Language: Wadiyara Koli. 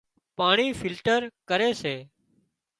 پاڻي فلٽر ڪري سي